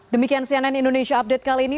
demikian cnn indonesia update kali ini